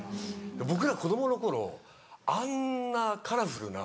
僕ら子供の頃あんなカラフルな。